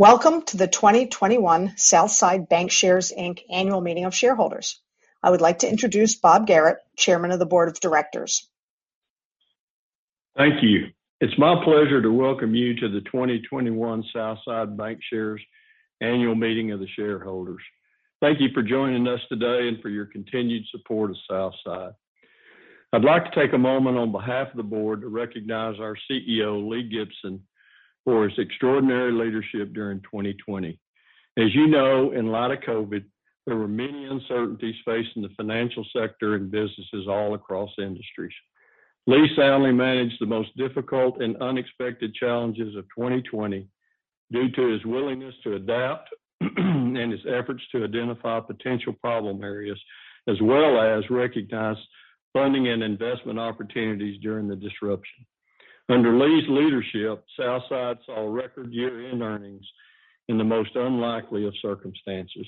Welcome to the 2021 Southside Bancshares, Inc. Annual Meeting of Shareholders. I would like to introduce Bob Garrett, Chairman of the Board of Directors. Thank you. It's my pleasure to welcome you to the 2021 Southside Bancshares Annual Meeting of the shareholders. Thank you for joining us today and for your continued support of Southside. I'd like to take a moment on behalf of the board to recognize our Chief Executive Officer, Lee Gibson, for his extraordinary leadership during 2020. As you know, in light of COVID, there were many uncertainties facing the financial sector and businesses all across industries. Lee soundly managed the most difficult and unexpected challenges of 2020 due to his willingness to adapt and his efforts to identify potential problem areas as well as recognize funding and investment opportunities during the disruption. Under Lee's leadership, Southside saw record year-end earnings in the most unlikely of circumstances.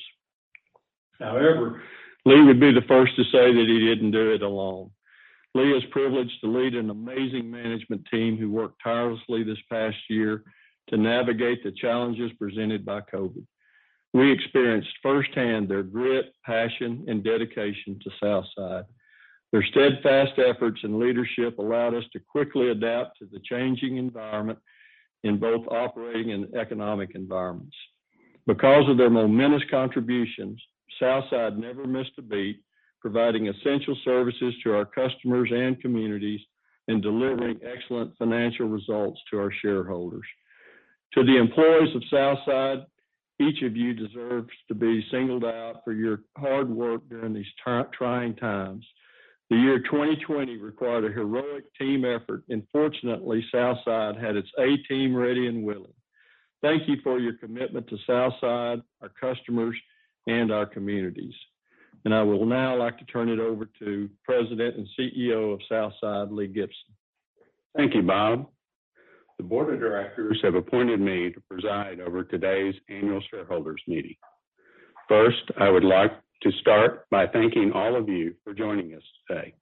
However, Lee would be the first to say that he didn't do it alone. Lee is privileged to lead an amazing management team who worked tirelessly this past year to navigate the challenges presented by COVID. We experienced firsthand their grit, passion, and dedication to Southside. Their steadfast efforts and leadership allowed us to quickly adapt to the changing environment in both operating and economic environments. Because of their momentous contributions, Southside never missed a beat providing essential services to our customers and communities and delivering excellent financial results to our shareholders. To the employees of Southside, each of you deserves to be singled out for your hard work during these trying times. The year 2020 required a heroic team effort, and fortunately, Southside had its A-team ready and willing. Thank you for your commitment to Southside, our customers, and our communities. I will now like to turn it over to President and CEO of Southside, Lee Gibson. Thank you, Bob. The board of directors have appointed me to preside over today's annual shareholders meeting. First, I would like to start by thanking all of you for joining us today.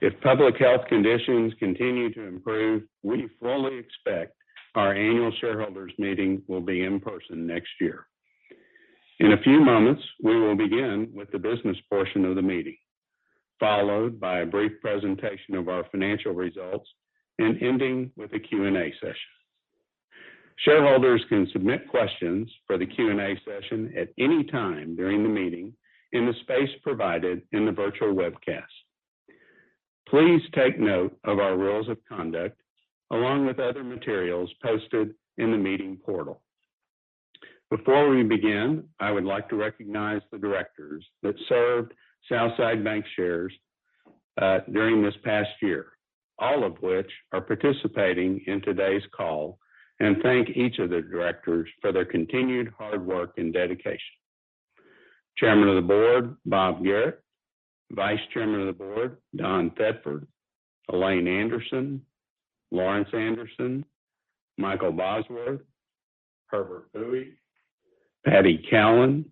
If public health conditions continue to improve, we fully expect our annual shareholders meeting will be in person next year. In a few moments, we will begin with the business portion of the meeting, followed by a brief presentation of our financial results, and ending with a Q&A session. Shareholders can submit questions for the Q&A session at any time during the meeting in the space provided in the virtual webcast. Please take note of our rules of conduct along with other materials posted in the meeting portal. Before we begin, I would like to recognize the directors that served Southside Bancshares during this past year, all of which are participating in today's call, and thank each of the directors for their continued hard work and dedication. Chairman of the Board, Bob Garrett. Vice Chairman of the Board, Don Thedford. S. Elaine Anderson. Lawrence Anderson. Michael Bosworth. Herbert Buie. Patricia Callan.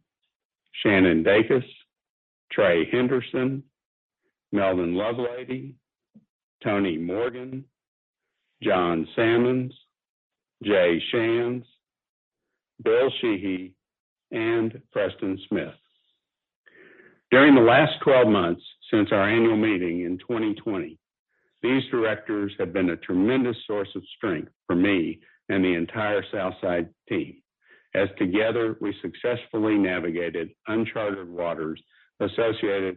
Shannon Dacus. Trey Henderson. Melvin Lovelady. Tony Morgan. John Sammons. H. J. Shands. Bill Sheehy, and Preston Smith. During the last 12 months since our annual meeting in 2020, these directors have been a tremendous source of strength for me and the entire Southside team as together we successfully navigated uncharted waters associated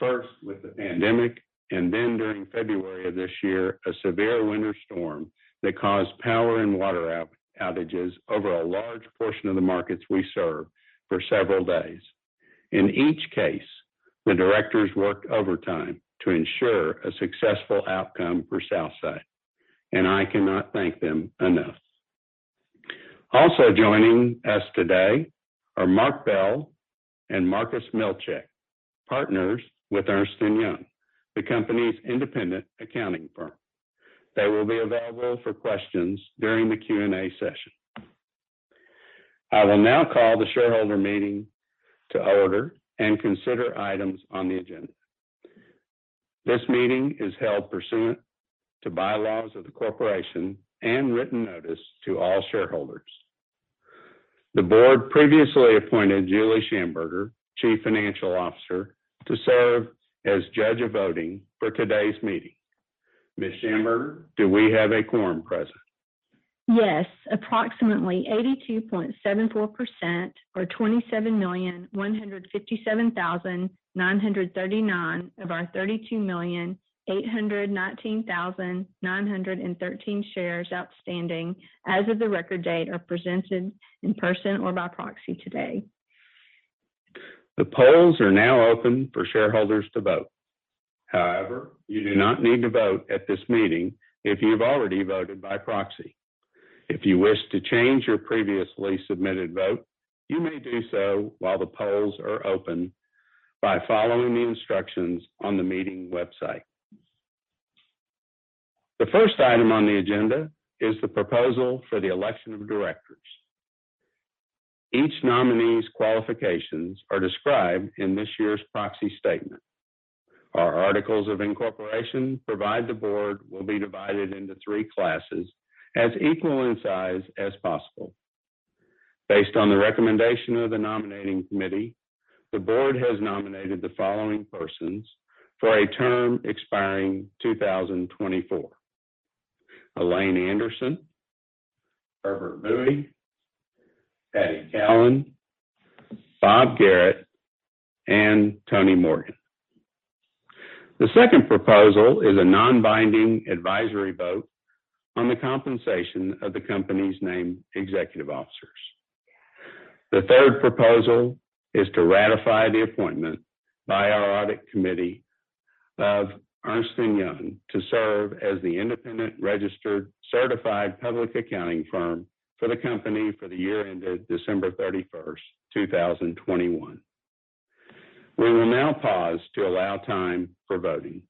first with the pandemic, and then during February of this year, a severe winter storm that caused power and water outages over a large portion of the markets we serve for several days. In each case, the directors worked overtime to ensure a successful outcome for Southside, and I cannot thank them enough. Joining us today are Mark Bell and Marcus Milchick, partners with Ernst & Young, the company's independent accounting firm. They will be available for questions during the Q&A session. I will now call the shareholder meeting to order and consider items on the agenda. This meeting is held pursuant to bylaws of the corporation and written notice to all shareholders. The board previously appointed Julie Shamburger, Chief Financial Officer, to serve as judge of voting for today's meeting. Ms. Shamburger, do we have a quorum present? Yes. Approximately 82.74%, or 27,157,939 of our 32,819,913 shares outstanding as of the record date are presented in person or by proxy today. The polls are now open for shareholders to vote. However, you do not need to vote at this meeting if you've already voted by proxy. If you wish to change your previously submitted vote, you may do so while the polls are open by following the instructions on the meeting website. The first item on the agenda is the proposal for the election of directors. Each nominee's qualifications are described in this year's proxy statement. Our articles of incorporation provide the Board will be divided into three classes as equal in size as possible. Based on the recommendation of the Nominating Committee, the Board has nominated the following persons for a term expiring 2024, Elaine Anderson, Herbert Buie, Patty Callan, Bob Garrett, and Tony Morgan. The second proposal is a non-binding advisory vote on the compensation of the company's named executive officers. The third proposal is to ratify the appointment by our audit committee of Ernst & Young to serve as the independent registered certified public accounting firm for the company for the year ended December 31st, 2021. We will now pause to allow time for voting.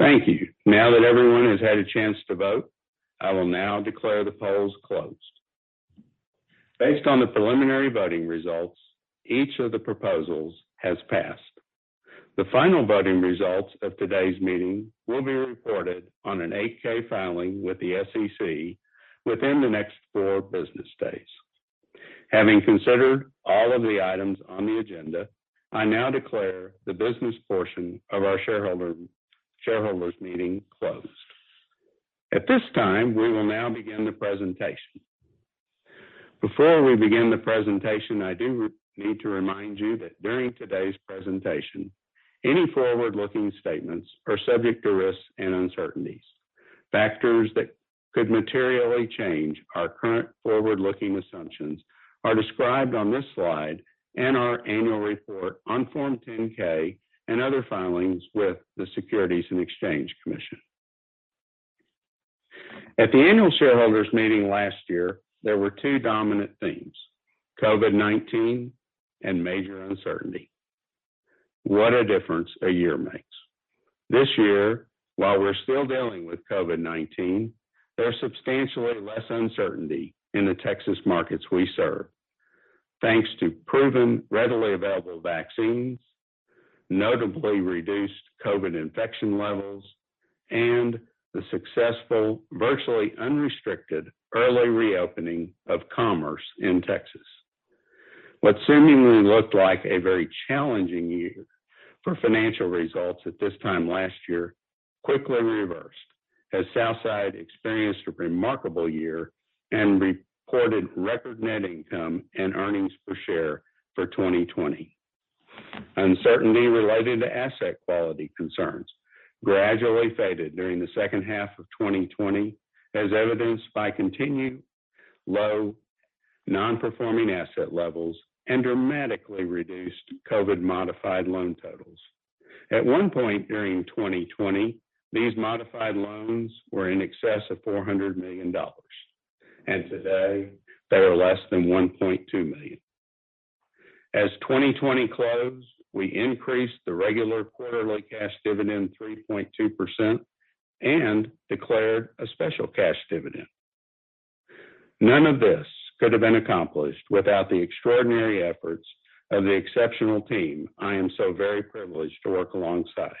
Thank you. Now that everyone has had a chance to vote, I will now declare the polls closed. Based on the preliminary voting results, each of the proposals has passed. The final voting results of today's meeting will be reported on an 8-K filing with the SEC within the next four business days. Having considered all of the items on the agenda, I now declare the business portion of our shareholders meeting closed. At this time, we will now begin the presentation. Before we begin the presentation, I do need to remind you that during today's presentation, any forward-looking statements are subject to risks and uncertainties. Factors that could materially change our current forward-looking assumptions are described on this slide and our annual report on Form 10-K and other filings with the Securities and Exchange Commission. At the annual shareholders meeting last year, there were two dominant themes, COVID-19 and major uncertainty. What a difference a year makes. This year, while we're still dealing with COVID-19, there's substantially less uncertainty in the Texas markets we serve. Thanks to proven, readily available vaccines, notably reduced COVID infection levels, and the successful, virtually unrestricted early reopening of commerce in Texas. What seemingly looked like a very challenging year for financial results at this time last year quickly reversed, as Southside experienced a remarkable year and reported record net income and earnings per share for 2020. Uncertainty related to asset quality concerns gradually faded during the second half of 2020, as evidenced by continued low non-performing asset levels and dramatically reduced COVID modified loan totals. At one point during 2020, these modified loans were in excess of $400 million. Today, they are less than $1.2 million. As 2020 closed, we increased the regular quarterly cash dividend 3.2% and declared a special cash dividend. None of this could have been accomplished without the extraordinary efforts of the exceptional team I am so very privileged to work alongside.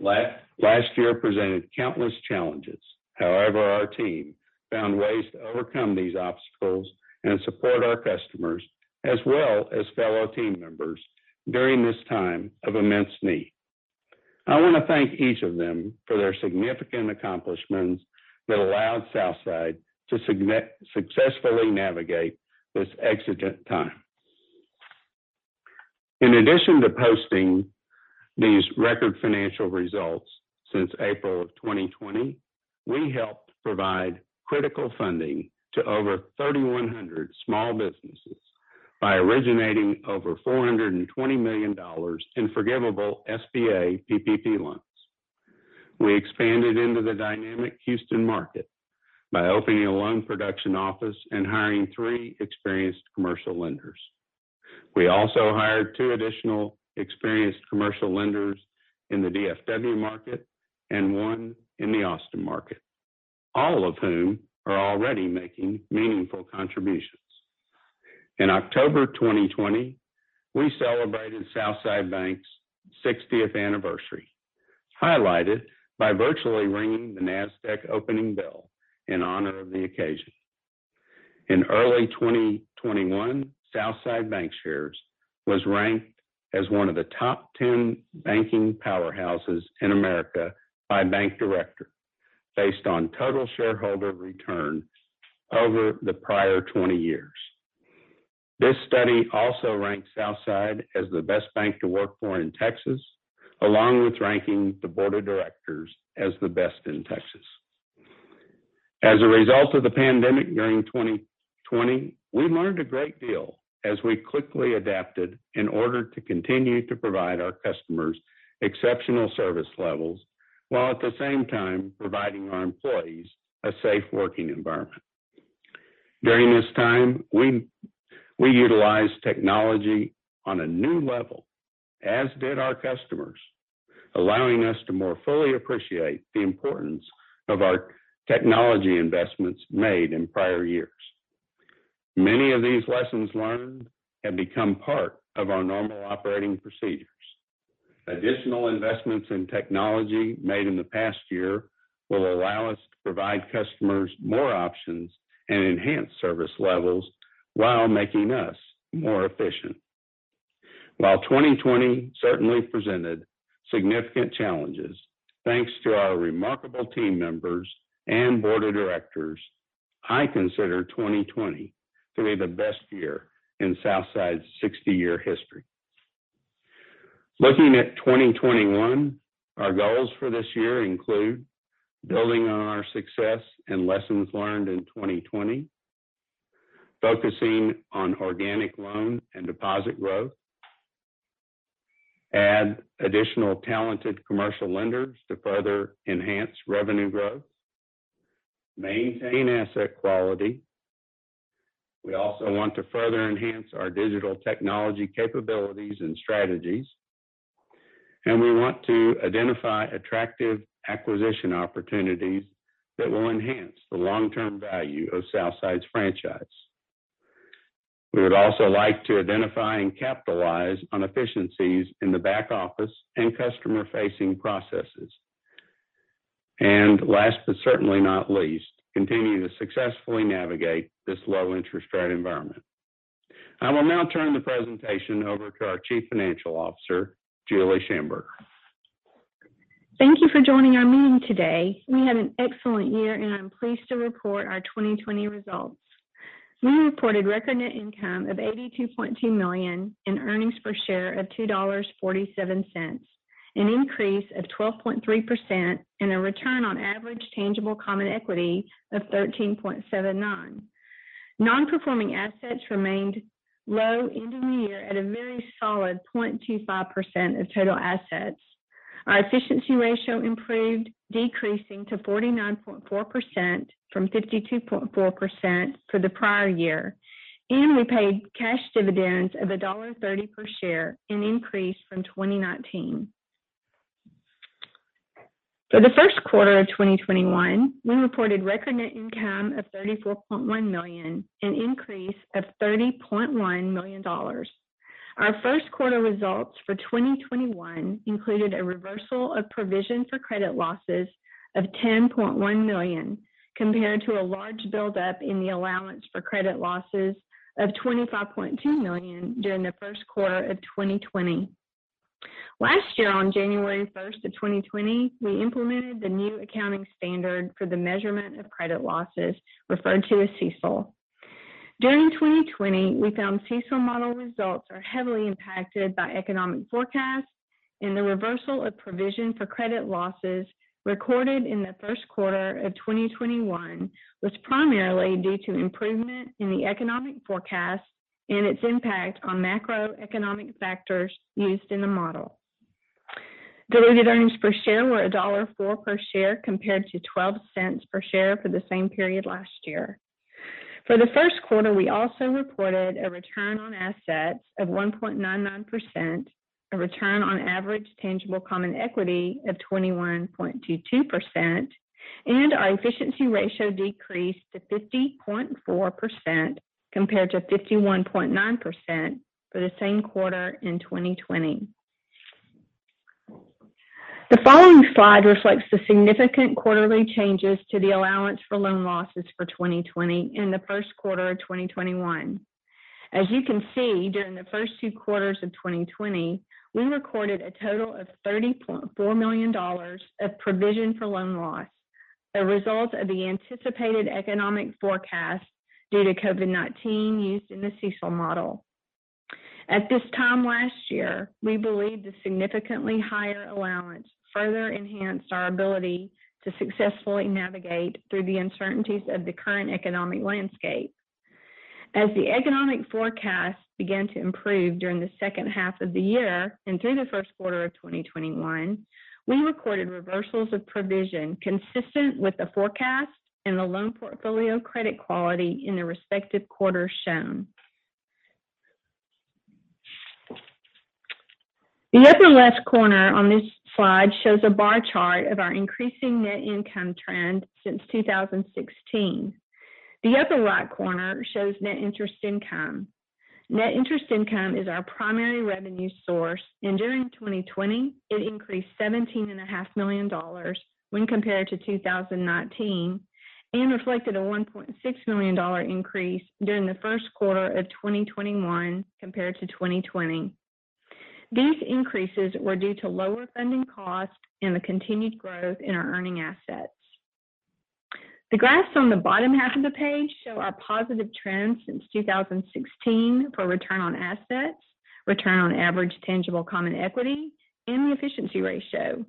Last year presented countless challenges. However, our team found ways to overcome these obstacles and support our customers, as well as fellow team members during this time of immense need. I want to thank each of them for their significant accomplishments that allowed Southside to successfully navigate this exigent time. In addition to posting these record financial results since April of 2020, we helped provide critical funding to over 3,100 small businesses by originating over $420 million in forgivable Small Business Administration Paycheck Protection Program loans. We expanded into the dynamic Houston market by opening a loan production office and hiring three experienced commercial lenders. We also hired two additional experienced commercial lenders in the D.F.W. market and one in the Austin market, all of whom are already making meaningful contributions. In October 2020, we celebrated Southside Bank's 60th anniversary, highlighted by virtually ringing the Nasdaq opening bell in honor of the occasion. In early 2021, Southside Bancshares was ranked as one of the top 10 banking powerhouses in America by Bank Director based on total shareholder return over the prior 20 years. This study also ranked Southside as the best bank to work for in Texas, along with ranking the board of directors as the best in Texas. As a result of the pandemic during 2020, we learned a great deal as we quickly adapted in order to continue to provide our customers exceptional service levels, while at the same time providing our employees a safe working environment. During this time, we utilized technology on a new level, as did our customers, allowing us to more fully appreciate the importance of our technology investments made in prior years. Many of these lessons learned have become part of our normal operating procedures. Additional investments in technology made in the past year will allow us to provide customers more options and enhanced service levels while making us more efficient. While 2020 certainly presented significant challenges, thanks to our remarkable team members and board of directors, I consider 2020 to be the best year in Southside's 60-year history. Looking at 2021, our goals for this year include building on our success and lessons learned in 2020, focusing on organic loan and deposit growth, add additional talented commercial lenders to further enhance revenue growth, maintain asset quality. We also want to further enhance our digital technology capabilities and strategies, and we want to identify attractive acquisition opportunities that will enhance the long-term value of Southside's franchise. We would also like to identify and capitalize on efficiencies in the back office and customer-facing processes. Last, but certainly not least, continue to successfully navigate this low interest rate environment. I will now turn the presentation over to our Chief Financial Officer, Julie Shamburger. Thank you for joining our meeting today. We had an excellent year, and I'm pleased to report our 2020 results. We reported record net income of $82.2 million and earnings per share of $2.47, an increase of 12.3% and a return on average tangible common equity of 13.79%. Non-performing assets remained low ending the year at a very solid 0.25% of total assets. Our efficiency ratio improved, decreasing to 49.4% from 52.4% for the prior year. We paid cash dividends of $1.30 per share, an increase from 2019. For the first quarter of 2021, we reported record net income of $34.1 million, an increase of $30.1 million. Our first quarter results for 2021 included a reversal of provision for credit losses of $10.1 million compared to a large buildup in the allowance for credit losses of $25.2 million during the first quarter of 2020. Last year, on January 1st of 2020, we implemented the new accounting standard for the measurement of credit losses, referred to as CECL. During 2020, we found CECL model results are heavily impacted by economic forecasts and the reversal of provision for credit losses recorded in the first quarter of 2021 was primarily due to improvement in the economic forecast and its impact on macroeconomic factors used in the model. Diluted earnings per share were $1.04 per share compared to $0.12 per share for the same period last year. For the first quarter, we also reported a return on assets of 1.99%, a return on average tangible common equity of 21.22%, and our efficiency ratio decreased to 50.4% compared to 51.9% for the same quarter in 2020. The following slide reflects the significant quarterly changes to the allowance for loan losses for 2020 and the first quarter of 2021. As you can see, during the first two quarters of 2020, we recorded a total of $30.4 million of provision for loan loss, a result of the anticipated economic forecast due to COVID-19 used in the CECL model. At this time last year, we believed the significantly higher allowance further enhanced our ability to successfully navigate through the uncertainties of the current economic landscape. As the economic forecast began to improve during the second half of the year and through the first quarter of 2021, we recorded reversals of provision consistent with the forecast and the loan portfolio credit quality in the respective quarters shown. The upper left corner on this slide shows a bar chart of our increasing net income trend since 2016. The upper right corner shows net interest income. Net interest income is our primary revenue source. During 2020, it increased $17.5 million when compared to 2019 and reflected a $1.6 million increase during the first quarter of 2021 compared to 2020. These increases were due to lower funding costs and the continued growth in our earning assets. The graphs on the bottom half of the page show our positive trend since 2016 for return on assets, return on average tangible common equity, and the efficiency ratio.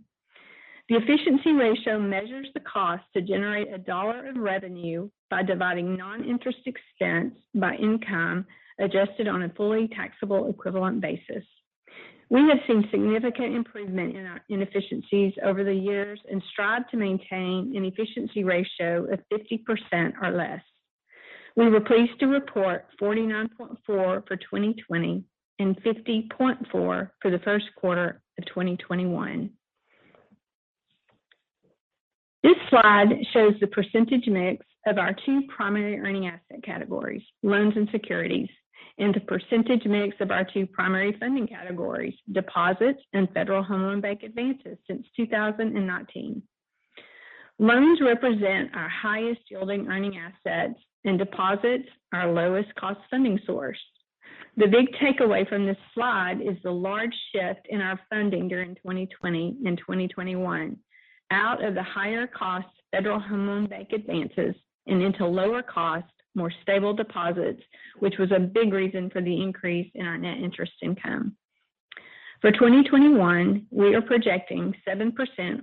The efficiency ratio measures the cost to generate a dollar of revenue by dividing non-interest expense by income, adjusted on a fully taxable equivalent basis. We have seen significant improvement in our inefficiencies over the years and strive to maintain an efficiency ratio of 50% or less. We were pleased to report 49.4% for 2020 and 50.4% for the first quarter of 2021. This slide shows the percentage mix of our two primary earning asset categories, loans and securities, and the percentage mix of our two primary funding categories, deposits and Federal Home Loan Bank advances since 2019. Loans represent our highest yielding earning assets, and deposits our lowest cost funding source. The big takeaway from this slide is the large shift in our funding during 2020 and 2021 out of the higher cost Federal Home Loan Bank advances and into lower cost, more stable deposits, which was a big reason for the increase in our net interest income. For 2021, we are projecting 7%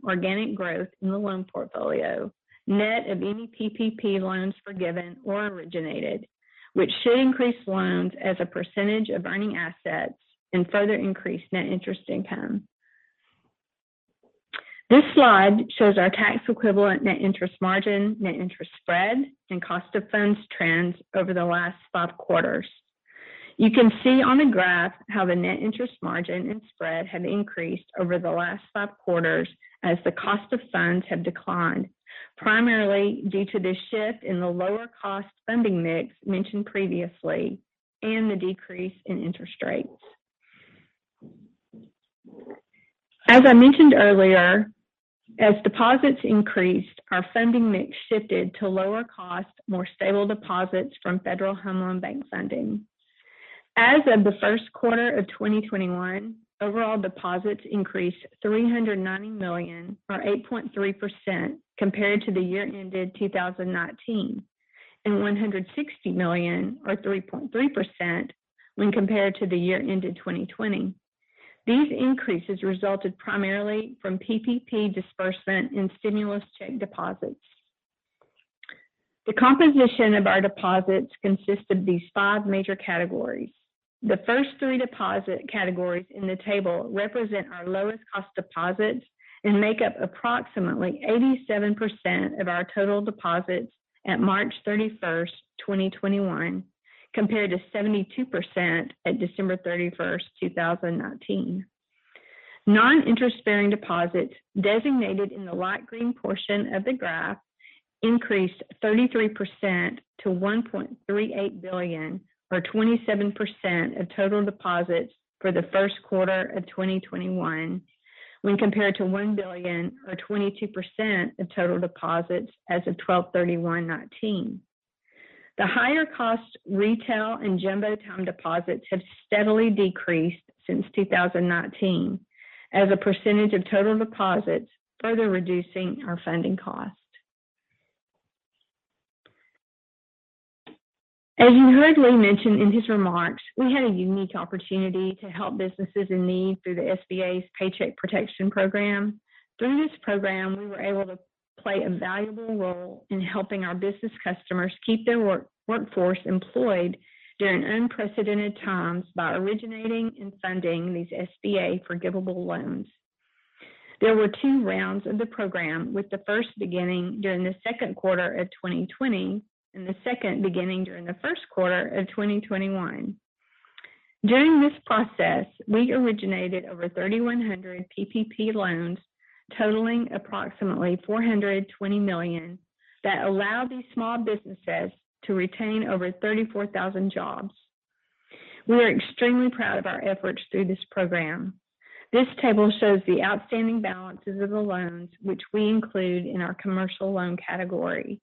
organic growth in the loan portfolio, net of any PPP loans forgiven or originated, which should increase loans as a percentage of earning assets and further increase net interest income. This slide shows our tax equivalent net interest margin, net interest spread, and cost of funds trends over the last five quarters. You can see on the graph how the net interest margin and spread have increased over the last five quarters as the cost of funds have declined, primarily due to the shift in the lower cost funding mix mentioned previously and the decrease in interest rates. As I mentioned earlier, as deposits increased, our funding mix shifted to lower cost, more stable deposits from Federal Home Loan Bank funding. As of the first quarter of 2021, overall deposits increased $390 million, or 8.3%, compared to the year ended 2019, and $160 million, or 3.3%, when compared to the year ended 2020. These increases resulted primarily from PPP disbursement and stimulus check deposits. The composition of our deposits consists of these 5 major categories. The first three deposit categories in the table represent our lowest cost deposits and make up approximately 87% of our total deposits at March 31st, 2021, compared to 72% at December 31st, 2019. Non-interest-bearing deposits, designated in the light green portion of the graph, increased 33% to $1.38 billion, or 27% of total deposits for the first quarter of 2021, when compared to $1 billion, or 22%, of total deposits as of 12/31/2019. The higher cost retail and jumbo time deposits have steadily decreased since 2019 as a percentage of total deposits, further reducing our funding cost. As you heard Lee mention in his remarks, we had a unique opportunity to help businesses in need through the SBA's Paycheck Protection Program. Through this program, we were able to play a valuable role in helping our business customers keep their workforce employed during unprecedented times by originating and funding these SBA forgivable loans. There were two rounds of the program, with the first beginning during the second quarter of 2020 and the second beginning during the first quarter of 2021. During this process, we originated over 3,100 PPP loans totaling approximately $420 million that allowed these small businesses to retain over 34,000 jobs. We are extremely proud of our efforts through this program. This table shows the outstanding balances of the loans, which we include in our commercial loan category.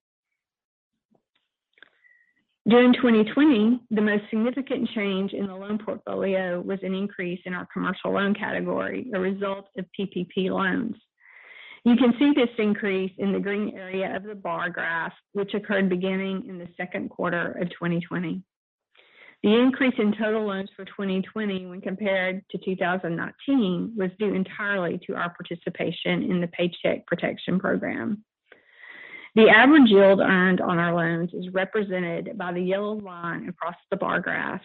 During 2020, the most significant change in the loan portfolio was an increase in our commercial loan category, a result of PPP loans. You can see this increase in the green area of the bar graph, which occurred beginning in the second quarter of 2020. The increase in total loans for 2020 when compared to 2019 was due entirely to our participation in the Paycheck Protection Program. The average yield earned on our loans is represented by the yellow line across the bar graph.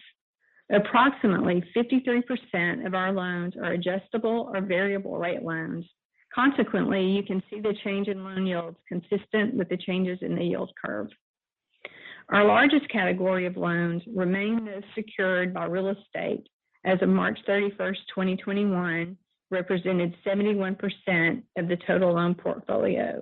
Approximately 53% of our loans are adjustable or variable rate loans. Consequently, you can see the change in loan yields consistent with the changes in the yield curve. Our largest category of loans remain those secured by real estate. As of March 31st, 2021, represented 71% of the total loan portfolio.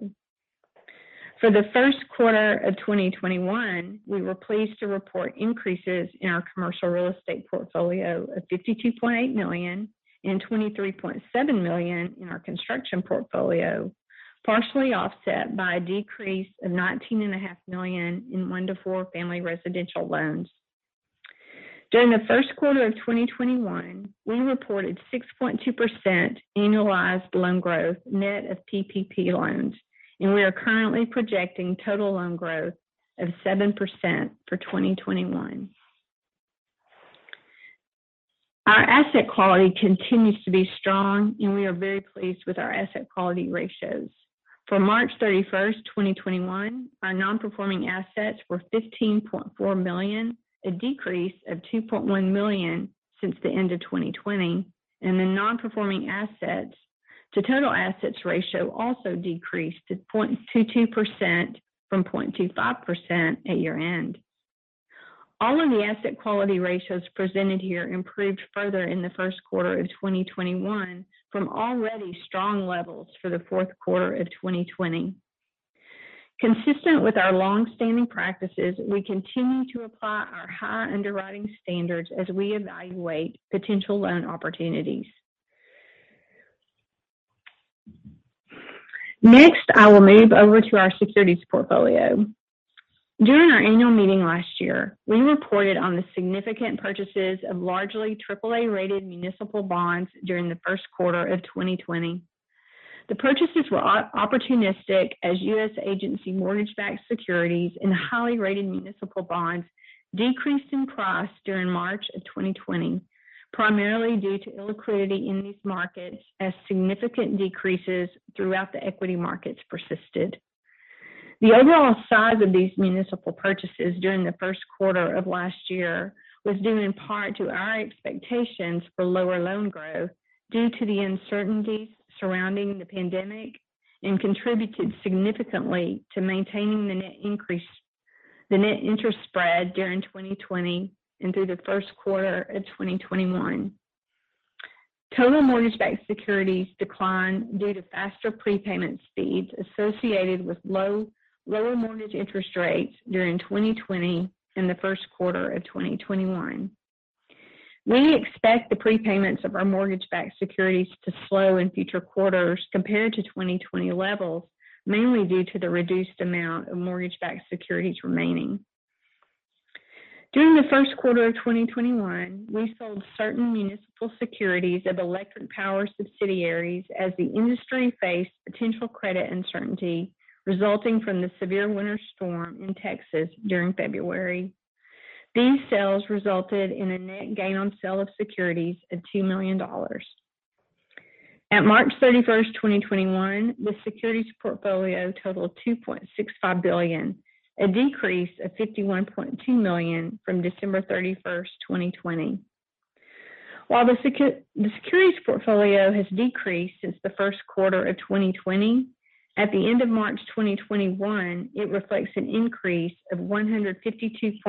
For the first quarter of 2021, we were pleased to report increases in our commercial real estate portfolio of $52.8 million and $23.7 million in our construction portfolio, partially offset by a decrease of $19.5 million in 1:4 family residential loans. During the first quarter of 2021, we reported 6.2% annualized loan growth net of PPP loans. We are currently projecting total loan growth of 7% for 2021. Our asset quality continues to be strong, and we are very pleased with our asset quality ratios. For March 31st, 2021, our non-performing assets were $15.4 million, a decrease of $2.1 million since the end of 2020, and the non-performing assets to total assets ratio also decreased to 0.22% from 0.25% at year-end. All of the asset quality ratios presented here improved further in the first quarter of 2021 from already strong levels for the fourth quarter of 2020. Consistent with our longstanding practices, we continue to apply our high underwriting standards as we evaluate potential loan opportunities. Next, I will move over to our securities portfolio. During our annual meeting last year, we reported on the significant purchases of largely AAA-rated municipal bonds during the first quarter of 2020. The purchases were opportunistic as U.S. agency mortgage-backed securities and highly rated municipal bonds decreased in price during March of 2020, primarily due to illiquidity in these markets as significant decreases throughout the equity markets persisted. The overall size of these municipal purchases during the first quarter of last year was due in part to our expectations for lower loan growth due to the uncertainties surrounding the pandemic and contributed significantly to maintaining the net interest spread during 2020 and through the first quarter of 2021. Total mortgage-backed securities declined due to faster prepayment speeds associated with lower mortgage interest rates during 2020 and the first quarter of 2021. We expect the prepayments of our mortgage-backed securities to slow in future quarters compared to 2020 levels, mainly due to the reduced amount of mortgage-backed securities remaining. During the first quarter of 2021, we sold certain municipal securities of electric power subsidiaries as the industry faced potential credit uncertainty resulting from the severe winter storm in Texas during February. These sales resulted in a net gain on sale of securities of $2 million. At March 31st, 2021, the securities portfolio totaled $2.65 billion, a decrease of $51.2 million from December 31st, 2020. While the securities portfolio has decreased since the first quarter of 2020, at the end of March 2021, it reflects an increase of $152.6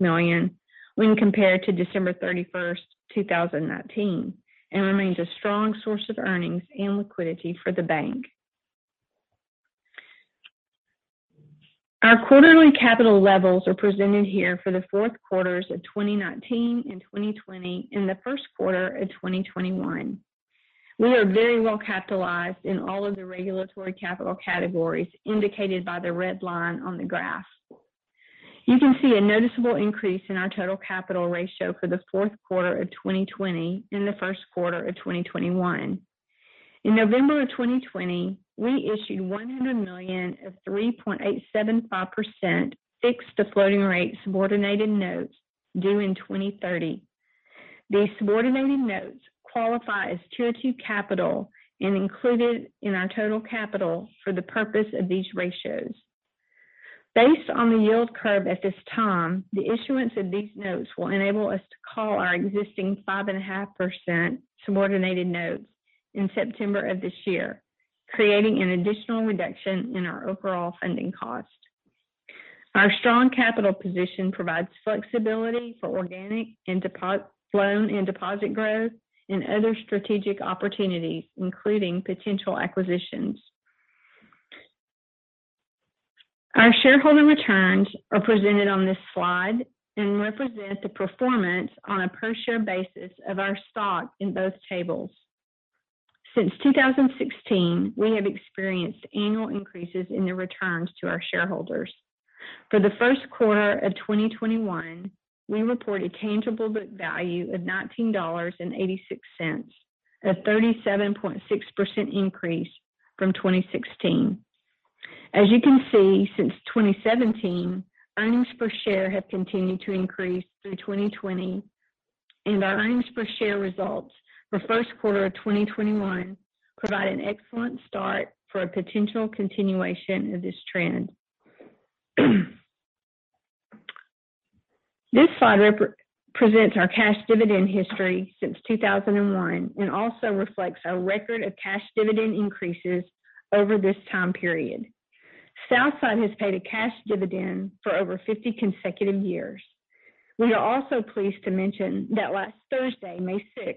million when compared to December 31st, 2019, and remains a strong source of earnings and liquidity for the bank. Our quarterly capital levels are presented here for the fourth quarters of 2019 and 2020 and the first quarter of 2021. We are very well capitalized in all of the regulatory capital categories indicated by the red line on the graph. You can see a noticeable increase in our total capital ratio for the fourth quarter of 2020 and the first quarter of 2021. In November of 2020, we issued $100 million of 3.875% fixed to floating rate subordinated notes due in 2030. These subordinated notes qualify as Tier 2 capital and included in our total capital for the purpose of these ratios. Based on the yield curve at this time, the issuance of these notes will enable us to call our existing 5.5% subordinated notes in September of this year, creating an additional reduction in our overall funding cost. Our strong capital position provides flexibility for organic loan and deposit growth and other strategic opportunities, including potential acquisitions. Our shareholder returns are presented on this slide and represent the performance on a per share basis of our stock in both tables. Since 2016, we have experienced annual increases in the returns to our shareholders. For the first quarter of 2021, we report a tangible book value of $19.86, a 37.6% increase from 2016. As you can see, since 2017, earnings per share have continued to increase through 2020, and our earnings per share results for first quarter of 2021 provide an excellent start for a potential continuation of this trend. This slide presents our cash dividend history since 2001 and also reflects our record of cash dividend increases over this time period. Southside has paid a cash dividend for over 50 consecutive years. We are also pleased to mention that last Thursday, May 6th,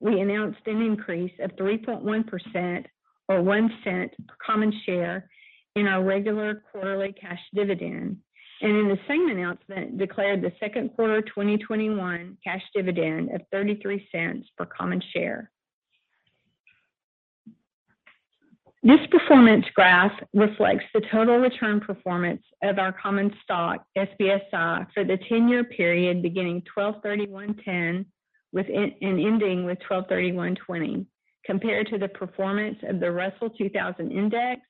we announced an increase of 3.1% or $0.01 per common share in our regular quarterly cash dividend, and in the same announcement, declared the second quarter 2021 cash dividend of $0.33 per common share. This performance graph reflects the total return performance of our common stock, SBSI, for the 10-year period beginning 12/31/2010 and ending with 12/31/2020, compared to the performance of the Russell 2000 Index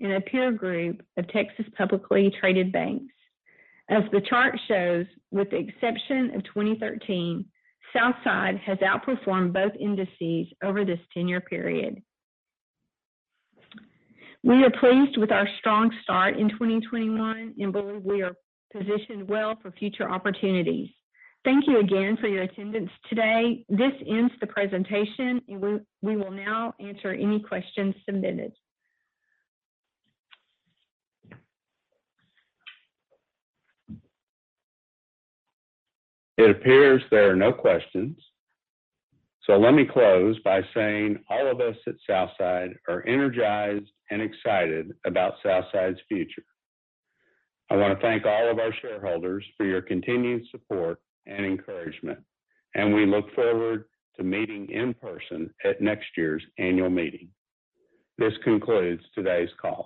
and a peer group of Texas publicly traded banks. As the chart shows, with the exception of 2013, Southside has outperformed both indices over this 10-year period. We are pleased with our strong start in 2021 and believe we are positioned well for future opportunities. Thank you again for your attendance today. This ends the presentation, and we will now answer any questions submitted. It appears there are no questions. Let me close by saying all of us at Southside are energized and excited about Southside's future. I want to thank all of our shareholders for your continued support and encouragement, and we look forward to meeting in person at next year's annual meeting. This concludes today's call.